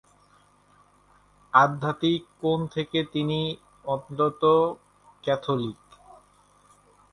আধ্যাত্মিক দৃষ্টিকোণ থেকে তিনি অত্যন্ত ক্যাথোলিক।